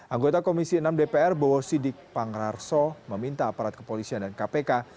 anggota komisi enam dpr bowo sidik pangrarso meminta aparat kepolisian dan kpk